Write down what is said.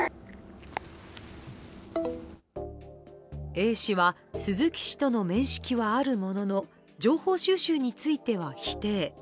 Ａ氏は鈴木氏との面識はあるものの情報収集については否定。